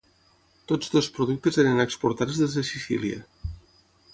Tots dos productes eren exportats des de Sicília.